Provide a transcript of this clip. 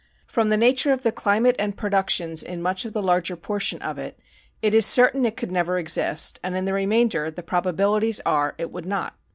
From the nature of the climate and productions in much the larger portion of it it is certain it could never exist, and in the remainder the probabilities are it would not.